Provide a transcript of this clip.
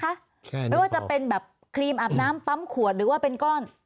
ใช่ไม่ว่าจะเป็นแบบครีมอาบน้ำปั๊มขวดหรือว่าเป็นก้อน